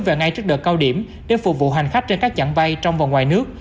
về ngay trước đợt cao điểm để phục vụ hành khách trên các chặng bay trong và ngoài nước